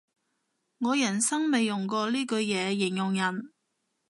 我人生未用過呢句嘢形容人